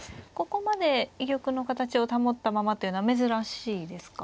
ここまで居玉の形を保ったままというのは珍しいですか。